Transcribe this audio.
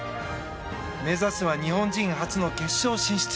目指すは日本人初の決勝進出。